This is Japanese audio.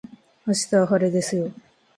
明日は晴れですよ